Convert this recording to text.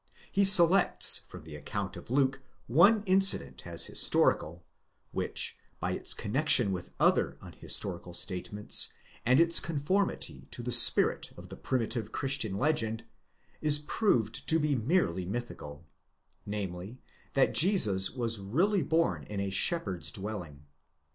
He selects from the account of Luke one incident as historical which, by its connexion with other unhistorical statements and its conformity to the spirit of the primitive christian legend, is proved to be merely mythical ; namely, that Jesus was really born in a shepherd's dwelling.